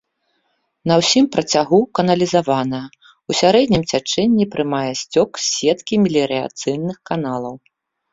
На ўсім працягу каналізаваная, у сярэднім цячэнні прымае сцёк з сеткі меліярацыйных каналаў.